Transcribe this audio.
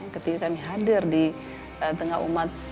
ketika kami hadir di tengah umat